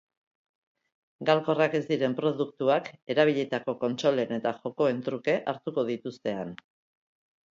Galkorrak ez diren produktuak erabilitako kontsolen eta jokoen truke hartuko dituzte han.